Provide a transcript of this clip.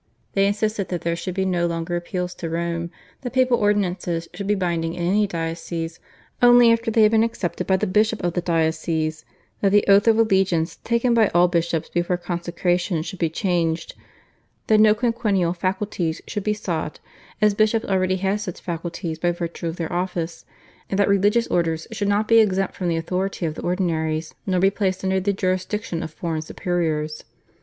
They insisted that there should be no longer appeals to Rome, that papal ordinances should be binding in any diocese only after they had been accepted by the bishop of the diocese, that the oath of allegiance taken by all bishops before consecration should be changed, that no quinquennial faculties should be sought as bishops already had such faculties by virtue of their office, and that religious orders should not be exempt from the authority of the ordinaries, nor be placed under the jurisdiction of foreign superiors.